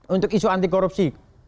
untuk isu anti korupsi